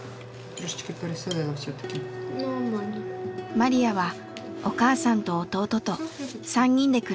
マリヤはお母さんと弟と３人で暮らしています。